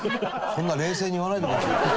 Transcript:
そんな冷静に言わないでください。